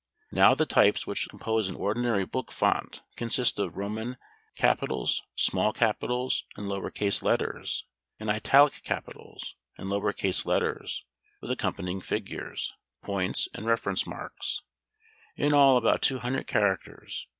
Now the types which compose an ordinary book fount consist of Roman CAPITALS, SMALL CAPITALS, and lower case letters, and Italic capitals and lower case letters, with accompanying figures, points and reference marks, in all about two hundred characters.